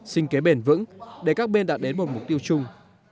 sinh kế bền vững để các bên đạt đến một mục tiêu chung